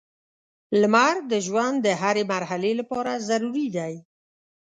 • لمر د ژوند د هرې مرحلې لپاره ضروري دی.